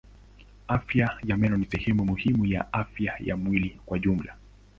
Afya ya meno ni sehemu muhimu ya afya ya mwili kwa jumla.